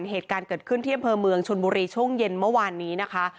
เหตุการณ์เกิดขึ้นที่อำเภอเมืองชนบุรีช่วงเย็นเมื่อวานนี้นะคะ